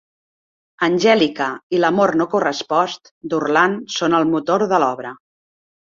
Angèlica i l'amor no correspost d'Orland són el motor de l'obra.